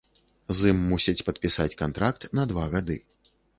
З ім мусяць падпісаць кантракт на два гады.